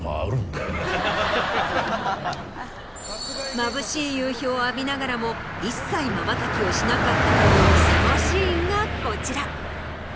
まぶしい夕日を浴びながらも一切まばたきをしなかったというそのシーンがこちら。